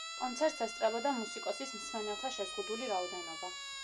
კონცერტს ესწრებოდა მუსიკოსის მსმენელთა შეზღუდული რაოდენობა.